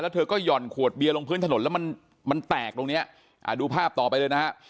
เธอก็ห่อนขวดเบียร์ลงพื้นถนนแล้วมันมันแตกตรงเนี้ยอ่าดูภาพต่อไปเลยนะฮะ